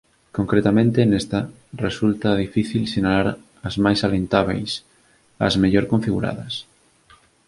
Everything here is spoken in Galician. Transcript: Concretamente nesta resulta dificil sinalar as máis salientábeis, as mellor configuradas.